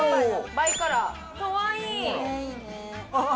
バイカラーかわいい・ああ